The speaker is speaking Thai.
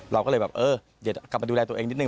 เราก็เลยแบบเออเดี๋ยวกลับมาดูแลตัวเองนิดนึ